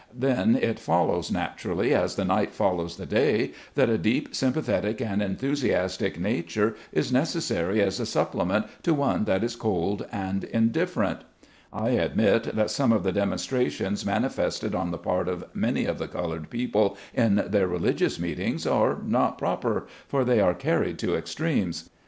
107 Then it follows, naturally as the night follows the day, that a deep sympathetic and enthusiastic nature is necessary as a supplement to one that is cold and indifferent. I admit that some of the demonstrations mani fested on the part of many of the colored people in their religious meetings, are not proper — for they are carried to extremes.